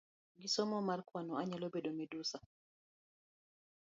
Gisomo mar kwano, anyalo bedo midusa